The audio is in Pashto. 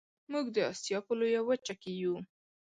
موږ د اسیا په لویه وچه کې یو